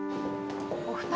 お二人